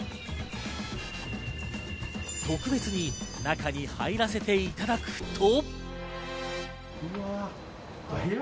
特別に中に入らせていただくと。